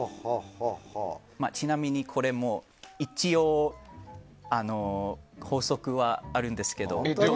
ちなみにこれも一応、法則があるんですけど。